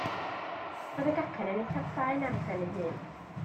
Roedd y gacen yn eithaf plaen ar phen ei hun.